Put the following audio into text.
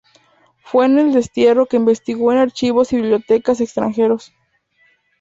Fue en el destierro que investigó en archivos y bibliotecas extranjeros.